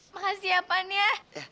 makasih ya pan ya